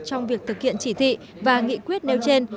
trong việc thực hiện chỉ thị và nghị quyết nêu trên